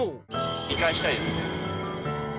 見返したいですね。